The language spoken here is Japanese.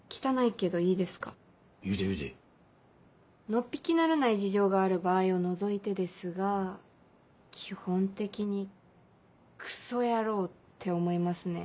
のっぴきならない事情がある場合を除いてですが基本的にクソ野郎って思いますね。